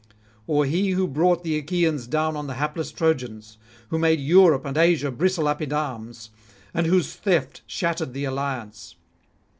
or he who brought the Achaeans down on the hapless Trojans? who made Europe and Asia bristle up in arms, and whose theft shattered the alliance?